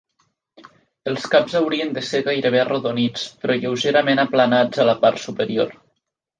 Els caps haurien de ser gairebé arrodonits però lleugerament aplanats a la part superior.